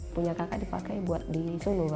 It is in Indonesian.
punya kakak dipakai buat di solo